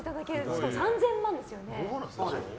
しかも３０００万ですよね。